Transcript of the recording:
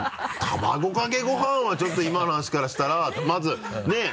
卵かけご飯はちょっと今の話からしたら。ねぇ？